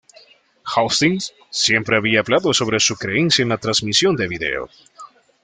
Hastings siempre había hablado sobre su creencia en la transmisión de video.